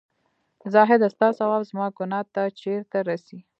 زاهـده سـتـا ثـواب زمـا ګـنـاه تـه چېرته رسـي